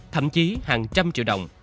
thậm chí hàng trăm triệu đồng